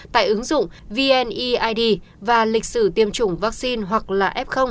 tại ứng dụng vneid và lịch sử tiêm chủng vaccine hoặc là f